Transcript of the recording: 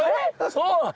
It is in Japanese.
そうなの？